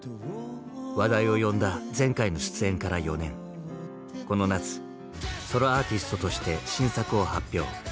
話題を呼んだ前回の出演から４年この夏ソロアーティストとして新作を発表。